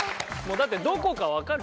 だってどこか分かる？